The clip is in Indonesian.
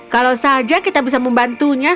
kalau saja kita bisa membantunya